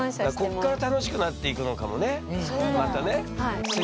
こっから楽しくなっていくのかもねまたね。